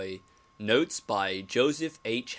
Notes by Joseph H.